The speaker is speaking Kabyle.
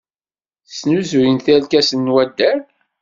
Tesnuzuyemt irkasen n waddal?